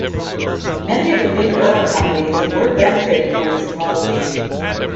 Many of the big oil companies were benefiting from the policy.